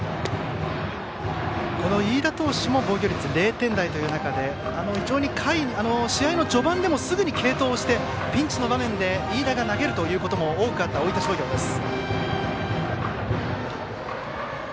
飯田投手も防御率０点台ということで試合の序盤でもすぐに継投をしてピンチの場面で飯田が投げることも多くあった大分商業です。